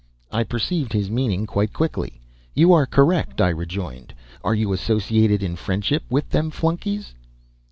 I perceived his meaning quite quickly. "You are 'correct'," I rejoined. "Are you associated in friendship with them flunkies?"